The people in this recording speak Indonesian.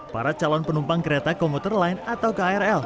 para calon penumpang kereta komuter lain atau krl